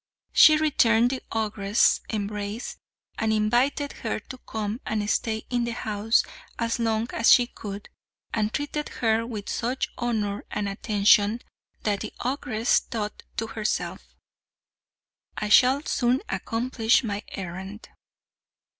She returned the ogress's embrace, and invited her to come and stay in the house as long as she could, and treated her with such honour and attention, that the ogress thought to herself, "I shall soon accomplish my errand."